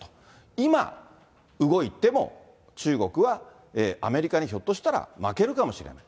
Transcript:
今、動いても、中国はアメリカにひょっとしたら負けるかもしれない。